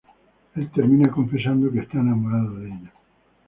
Él termina confesando que está enamorado de ella.